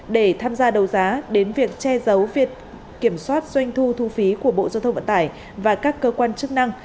để tham gia đấu giá đến việc che giấu việc kiểm soát doanh thu thu phí của bộ giao thông vận tải và các cơ quan chức năng